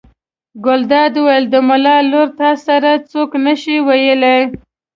ګلداد وویل: د ملا لورې تا سره یې څوک نه شي ویلی.